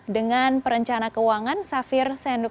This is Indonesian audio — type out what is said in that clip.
dengan perencana keuangan safir senduk